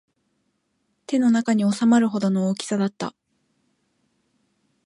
手の中に収まるほどの大きさだった